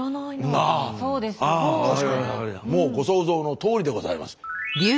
もうご想像のとおりでございます。